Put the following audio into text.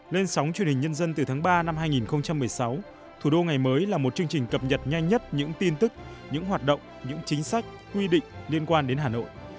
lên sóng truyền hình nhân dân từ tháng ba năm hai nghìn một mươi sáu thủ đô ngày mới là một chương trình cập nhật nhanh nhất những tin tức những hoạt động những chính sách quy định liên quan đến hà nội